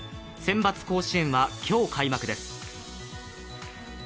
センバツ甲子園は今日開幕です。